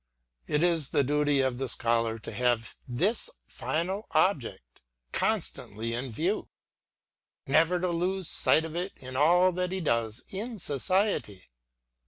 It is the duty of the Scholar to have this final object constantly in view, — never to lose sight of it in all that he does in society.